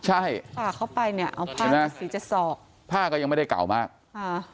ใช่ฝ่าเข้าไปเนี่ยเอาผ้าสีจะศอกผ้าก็ยังไม่ได้เก่ามากค่ะ